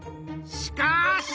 しかし！